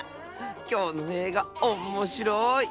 きょうのえいがおっもしろい！